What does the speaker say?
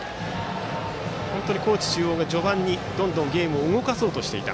高知中央は序盤にどんどんゲームを動かそうとしていた。